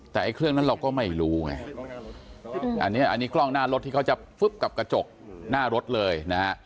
แต่ไอ้เครื่องนั้นเราก็ไม่รู้ไงอันนี้อันนี้กล้องหน้ารถที่เขาจะฟึ๊บกับกระจกหน้ารถเลยนะฮะ